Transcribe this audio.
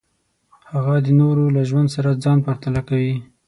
هغه د نورو له ژوند سره ځان پرتله کوي.